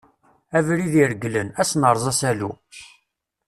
Abrid i reglen, ad s-nerreẓ asalu.